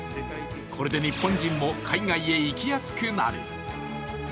これで日本人も海外へ行きやすくなる。